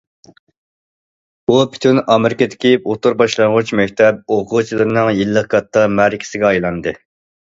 بۇ پۈتۈن ئامېرىكىدىكى ئوتتۇرا باشلانغۇچ مەكتەپ ئوقۇغۇچىلىرىنىڭ يىللىق كاتتا مەرىكىسىگە ئايلاندى.